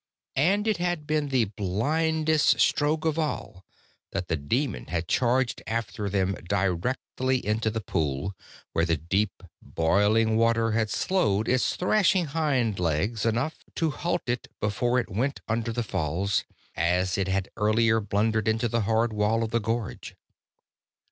And it had been the blindest stroke of all that the demon had charged after them directly into the pool, where the deep, boiling water had slowed its thrashing hind legs enough to halt it before it went under the falls, as it had earlier blundered into the hard wall of the gorge.